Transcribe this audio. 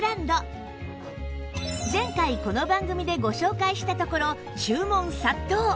前回この番組でご紹介したところ注文殺到！